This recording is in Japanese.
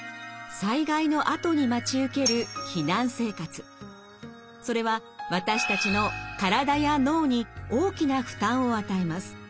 災害のあとに待ち受けるそれは私たちの体や脳に大きな負担を与えます。